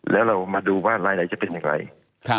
แล้วเรามาดูว่ารายละเอียดจะเป็นอย่างไรครับ